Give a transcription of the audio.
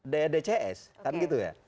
ddcs kan gitu ya